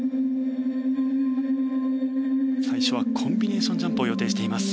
最初はコンビネーションを予定しています。